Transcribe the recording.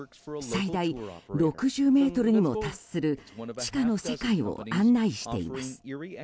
最大６０ｍにも達する地下の世界を案内しています。